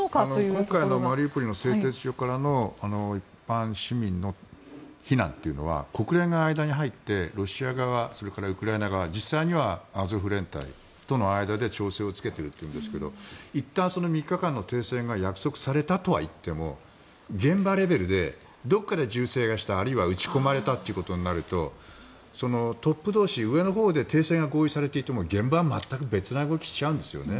今回のマリウポリの製鉄所からの一般市民の避難というのは国連が間に入ってロシア側それからウクライナ側実際にはアゾフ連隊との間で調整をつけているというんですけどいったん３日間の停戦が約束されたとはいっても現場レベルでどこかで銃声がしたあるいは撃ち込まれたということになるとトップ同士、上のほうで停戦が合意されていても現場は全く別の動きをしちゃうんですよね。